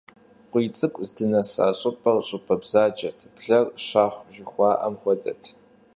КъуийцӀыкӀу здынэса щӀыпӀэр щӀыпӀэ бзаджэт, блэр щахъу жыхуаӀэм хуэдэт.